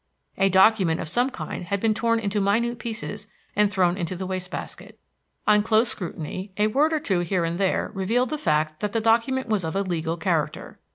A document of some kind had been torn into minute pieces and thrown into the waste basket. On close scrutiny a word or two here and there revealed the fact that the document was of a legal character.